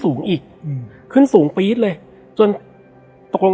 และวันนี้แขกรับเชิญที่จะมาเชิญที่เรา